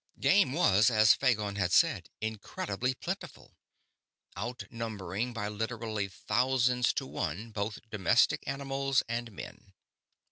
Game was, as Phagon had said, incredibly plentiful; out numbering by literally thousands to one both domestic animals and men.